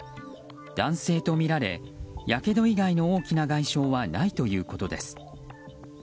男性とみられ、やけど以外の大きな外傷はないということです。